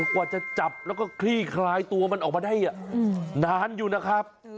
กว่าจะจับแล้วก็คลี่คลายตัวมันออกมาได้นานอยู่นะครับ